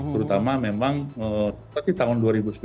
terutama memang seperti tahun dua ribu sembilan belas